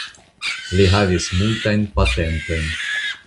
Li havis multajn patentojn.